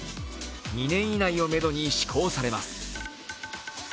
２年以内をめどに施行されます。